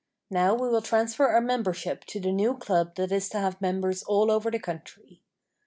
Now we will transfer our membership to the new club that is to have members all over the country.